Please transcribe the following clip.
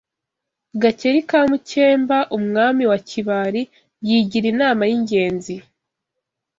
Gakeri ka Mukemba umwami wa Kibali yigira inama y’ingenzi